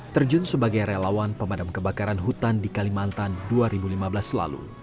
terjun sebagai relawan pemadam kebakaran hutan di kalimantan dua ribu lima belas lalu